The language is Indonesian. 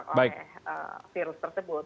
oleh virus tersebut